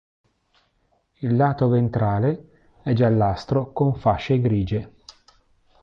Il lato ventrale è giallastro con fasce grigie.